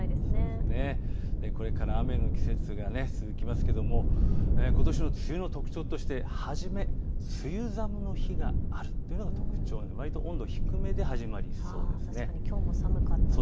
これから雨の季節が続きますがことしの梅雨の特徴として、梅雨寒の日があるというのが特徴のわりと温度低めで始まりそうです。